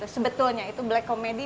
sebetulnya itu black comedy